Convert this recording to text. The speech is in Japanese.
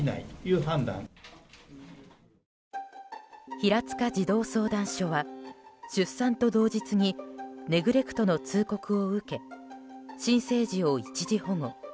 平塚児童相談所は出産と同日にネグレクトの通告を受け新生児を一時保護。